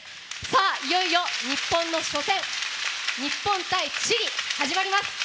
いよいよ、日本の初戦日本対チリ、始まります。